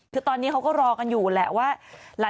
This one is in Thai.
คือตอนนี้เขาก็รอกันอยู่แหละว่า